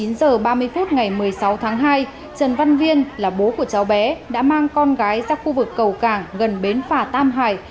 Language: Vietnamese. ngày một mươi sáu tháng hai trần văn viên là bố của cháu bé đã mang con gái ra khu vực cầu cảng gần bến phà tam hải